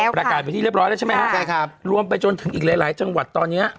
ประกาศเป็นพื้นที่เรียบร้อยแล้วใช่ไหมครับรวมไปจนถึงอีกหลายจังหวัดตอนนี้